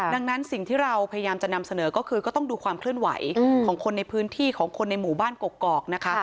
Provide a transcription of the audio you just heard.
ดังนั้นสิ่งที่เราพยายามจะนำเสนอก็คือก็ต้องดูความเคลื่อนไหวของคนในพื้นที่ของคนในหมู่บ้านกกอกนะคะ